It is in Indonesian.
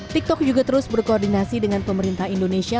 tiktok juga terus berkoordinasi dengan pemerintah indonesia